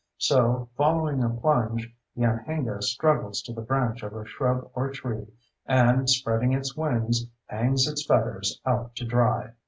So, following a plunge, the anhinga struggles to the branch of a shrub or tree, and, spreading its wings, hangs its feathers out to dry.